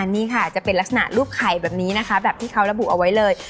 นี่ค่ะจะเป็นลักษณะรูปไข่แบบนี้นะคะแบบที่เขาระบุเอาไว้เลย